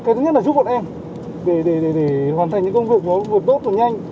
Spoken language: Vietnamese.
cái thứ nhất là giúp bọn em để hoàn thành những công việc nó vượt bớt và nhanh